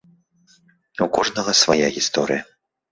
У кожнага свая гісторыя.